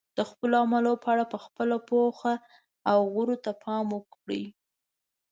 د خپلو عملونو په اړه په خپله پوهه او غورو ته پام وکړئ.